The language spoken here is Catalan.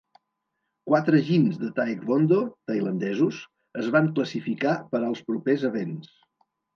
Quatre "jins" de taekwondo tailandesos es van classificar per als propers events.